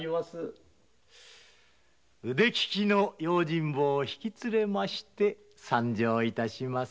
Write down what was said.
腕利きの用心棒を引き連れまして参上致します。